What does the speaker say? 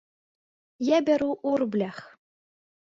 Я бяру ў рублях.